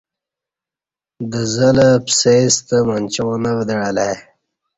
دزہ لہ پسئے ستہ منچاں نہ ودعہ لہ ای